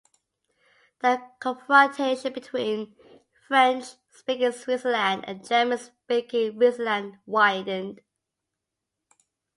The confrontation between French-speaking Switzerland and German-speaking Switzerland widened.